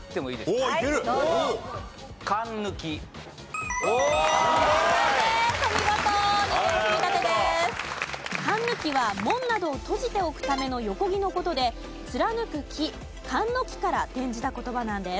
かんぬきは門などを閉じておくための横木の事で貫く木貫木から転じた言葉なんです。